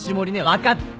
分かった！